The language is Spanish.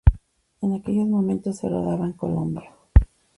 En aquellos momentos se rodaba en Colombia.